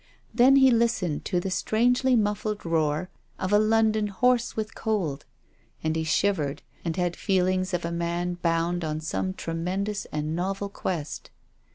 Then he listened to the strangely muffled roar of a London hoarse with cold. And he shivered and had feel ings of a man bound on some tremendous and novel quest.